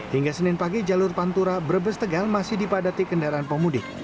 hingga senin pagi jalur pantura brebes tegal masih dipadati kendaraan pemudik